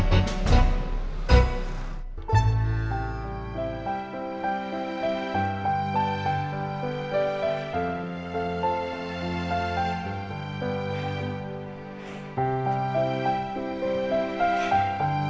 kalo jalanin jangan meleng dong